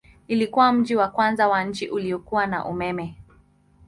Ilikuwa mji wa kwanza wa nchi uliokuwa na umeme.